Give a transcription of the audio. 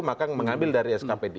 maka mengambil dari skpd